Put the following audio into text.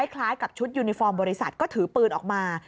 คล้ายกับชุดยูนิฟอร์มบริษัทก็ถือปืนออกมา